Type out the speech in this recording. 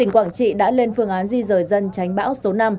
quảng trị đã lên phương án di rời dân tránh bão số năm